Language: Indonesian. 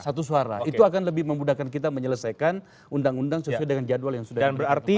satu suara itu akan lebih memudahkan kita menyelesaikan undang undang sesuai dengan jadwal yang sudah berarti